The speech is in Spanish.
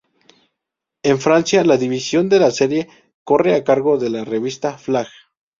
En Francia, la difusión de la serie corre a cargo de la revista "Flag".